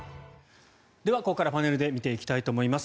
では、ここからパネルで見ていきたいと思います。